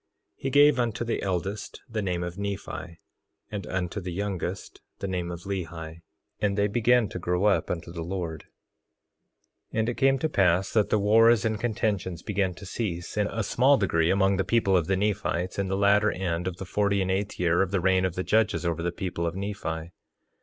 He gave unto the eldest the name of Nephi, and unto the youngest, the name of Lehi. And they began to grow up unto the Lord. 3:22 And it came to pass that the wars and contentions began to cease, in a small degree, among the people of the Nephites, in the latter end of the forty and eighth year of the reign of the judges over the people of Nephi.